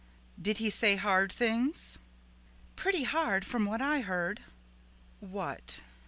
"Did he say hard things?" "Pretty hard, from what I heard." "What?"